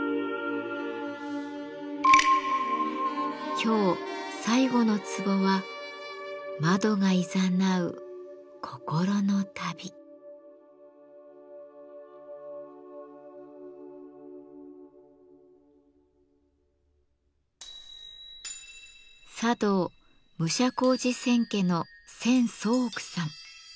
今日最後のツボは茶道武者小路千家の千宗屋さん。